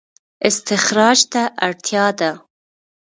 استخراج ته اړتیا ده